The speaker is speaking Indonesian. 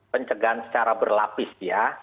pencegahan secara berlapis ya